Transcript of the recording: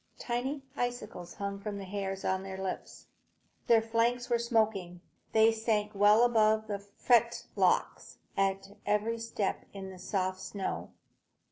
Tiny icicles hung from the hairs on their lips. Their flanks were smoking. They sank above the fetlocks at every step in the soft snow.